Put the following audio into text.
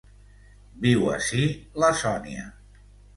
Viu ací la Sònia.